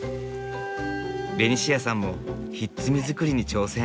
ベニシアさんもひっつみ作りに挑戦。